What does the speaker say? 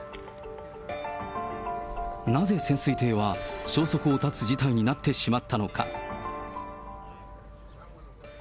なぜ潜水艇は消息を絶つ事態になってしまったのか。